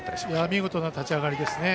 見事な立ち上がりですね。